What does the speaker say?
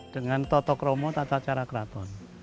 dengan toto kromo tata cara keraton